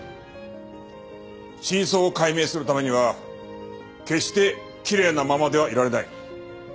真相を解明するためには決してきれいなままではいられない。